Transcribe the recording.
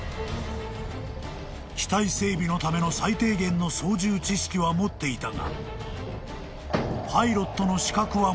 ［機体整備のための最低限の操縦知識は持っていたが］